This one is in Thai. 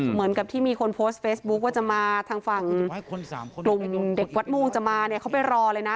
เหมือนกับที่มีคนโพสต์เฟซบุ๊คว่าจะมาทางฝั่งกลุ่มเด็กวัดม่วงจะมาเนี่ยเขาไปรอเลยนะ